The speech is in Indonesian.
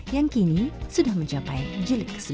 yang kini sudah mencapai jilid sembilan